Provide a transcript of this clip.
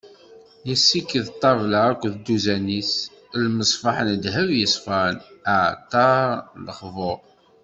Yessiked ṭṭabla akked dduzan-is, lmeṣbaḥ n ddheb yeṣfan, aɛalṭar n lebxuṛ.